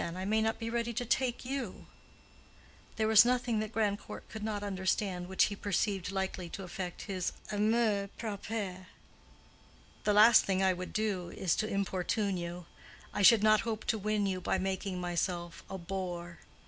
I may not be ready to take you." There was nothing that Grandcourt could not understand which he perceived likely to affect his amour propre. "The last thing I would do, is to importune you. I should not hope to win you by making myself a bore.